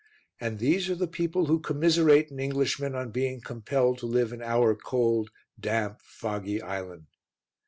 And these are the people who commiserate an Englishman on being compelled to live in our cold, damp, foggy island!